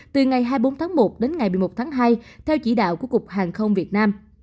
từ ngày hai mươi bốn tháng một đến ngày một mươi một tháng hai theo chỉ đạo của cục hàng không việt nam